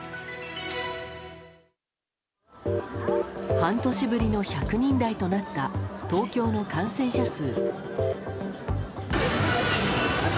半年ぶりの１００人台となった東京の感染者数。